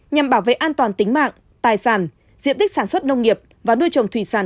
nhằm bảo vệ an toàn tính mạng tài sản diện tích sản xuất nông nghiệp và nuôi trồng thủy sản